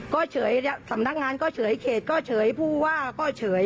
ก็เฉยสำนักงานก็เฉยเขตก็เฉยผู้ว่าก็เฉย